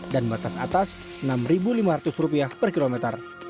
dan batas atas rp enam lima ratus per kilometer